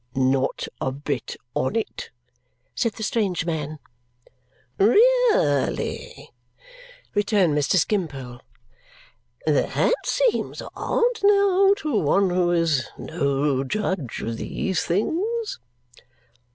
"Not a bit on it," said the strange man. "Really?" returned Mr. Skimpole. "That seems odd, now, to one who is no judge of these things!"